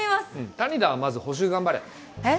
谷田はまず補習頑張れえっ？